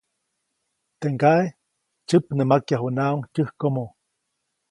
Teʼ ŋgaʼe tsyäpnämakyajunaʼuŋ tyäjkomo.